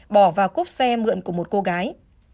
bỏ vào cốp xe mượn của một cô gái